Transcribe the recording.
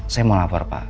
saya mau lapor pak